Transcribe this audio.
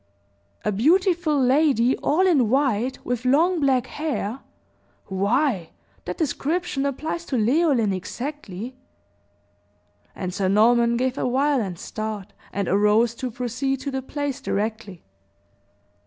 "A beautiful lady, all in white, with long, black hair! Why, that description applies to Leoline exactly." And Sir Norman gave a violent start, and arose to proceed to the place directly.